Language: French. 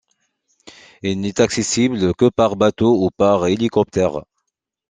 Il n'est accessible que par bateau ou par hélicoptère.